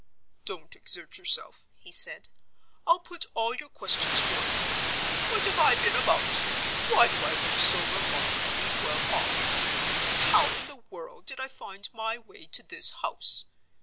"Don't exert yourself," he said. "I'll put all your questions for you. What have I been about? Why do I look so remarkably well off? And how in the world did I find my way to this house?